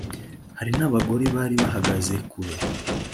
hari n abagore bari bahagaze kure